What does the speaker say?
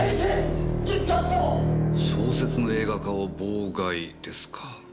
小説の映画化を妨害ですか。